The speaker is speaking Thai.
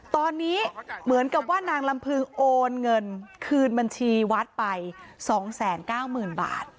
ตอนนี้เหมือนกับว่านางลำพึงโอนเงินคืนบัญชีวัดไป๒๙๐๐๐บาท